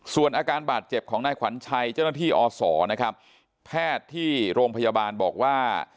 ส่วนอาการบาดเจ็บของนายขวัญชัยเจ้าหน้าที่อศนะครับแพทย์ที่โรงพยาบาลบอกว่า